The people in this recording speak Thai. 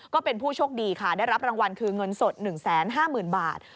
ก็เป็นผู้โชคดีค่ะได้รับรางวัลคือเงินสด๑๕๐๐๐บาท